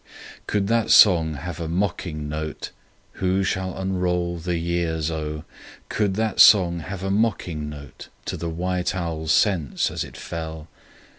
Could that song have a mocking note?— Who shall unroll the years O!— Could that song have a mocking note To the white owl's sense as it fell?